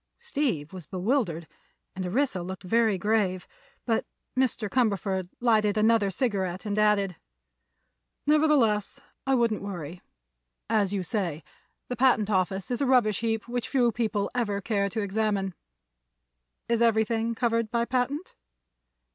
Steve was bewildered, and Orissa looked very grave. But Mr. Cumberford lighted another cigarette and added: "Nevertheless, I wouldn't worry. As you say, the patent office is a rubbish heap which few people ever care to examine. Is everything covered by patent?"